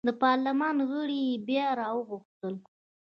د پارلمان غړي یې بیا راوغوښتل.